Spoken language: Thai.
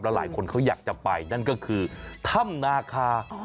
หลายคนเขาอยากจะไปนั่นก็คือถ้ำนาคา